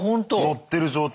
乗ってる状態